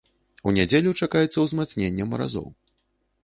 У нядзелю чакаецца ўзмацненне маразоў.